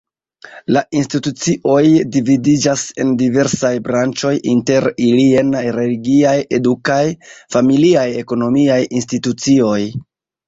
La institucioj dividiĝas en diversaj branĉoj inter ili jena: religiaj, edukaj, familiaj, ekonomiaj institucioj.